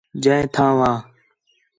جئے تھاں وا ہو